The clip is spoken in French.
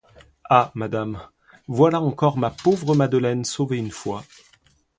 Ah madame, voilà encore ma pauvre Madeleine sauvée une fois.